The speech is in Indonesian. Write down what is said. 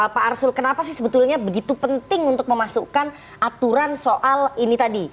pak arsul kenapa sih sebetulnya begitu penting untuk memasukkan aturan soal ini tadi